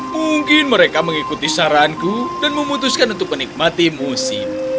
mungkin mereka mengikuti saranku dan memutuskan untuk menikmati musim